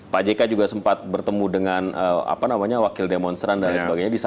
pak jk juga sempat bertemu dengan wakil demonstran dan lain sebagainya